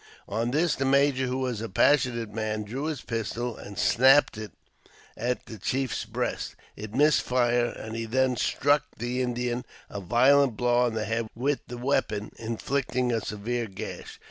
On this, the major, who was a passionate man, drew his pistol and snapped it at the chief's breast. It missed fire, and he then struck the Indian a violent blow on the head with the weapon, inflicting a severe gash.